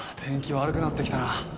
悪くなってきたな。